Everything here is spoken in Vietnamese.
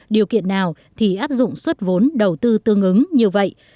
điều kiện nào thì áp dụng xuất vốn đầu tư tương ứng như vậy